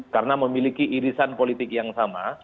karena memiliki irisan politik yang sama